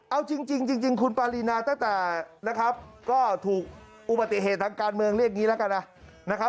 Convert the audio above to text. เอาจริงคุณปารีนาตั้งแต่นะครับก็ถูกอุบัติเหตุทางการเมืองเรียกอย่างนี้แล้วกันนะครับ